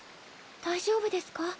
大丈夫ですか？